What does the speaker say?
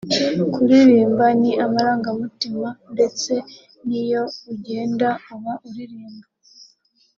kuririmba ni amarangamutima ndetse n’iyo ugenda uba uririmba